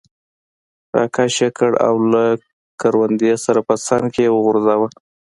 را کش یې کړ او له کروندې سره په څنګ کې یې وغورځاوه.